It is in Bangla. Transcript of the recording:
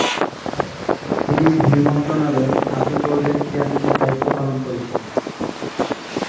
তিনি ভূমি মন্ত্রণালয়ের আপিল বোর্ডের চেয়ারম্যানের দায়িত্ব পালন করেছিলেন।